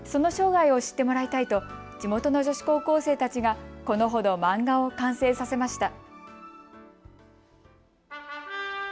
その生涯を知ってもらいたいと地元の女子高校生たちがこのほど漫画を完成させました。